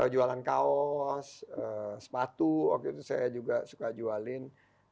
jualan kaos sepatu waktu itu saya juga suka jualin